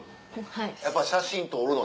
やっぱ写真撮るの？